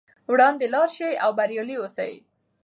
وړاندې لاړ شئ او بریالي اوسئ.